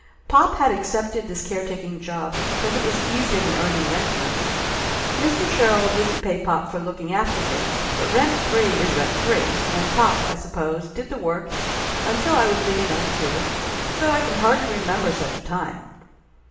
Pop had accepted this caretaking job because it was easier than earning rent money. Mr. Sherrill didn't pay pop for looking after things, but rent free is rent free, and pop, I suppose, did the work until I was big enough to, though I can hardly remember such a time.